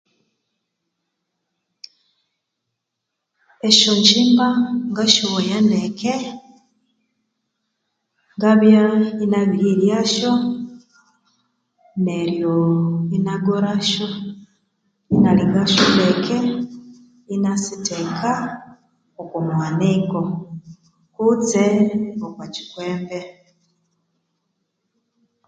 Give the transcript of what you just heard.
Esyongyimba ngasyowaya ndeke ngabya inabiryeryasyo neryo inagora syo ingalingasyo ndeke inasitheka okwa muhaniko kutse okwa kyikwembe.